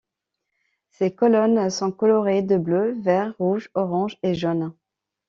Ces colonnes sont colorées de bleu, vert, rouge, orange et jaune.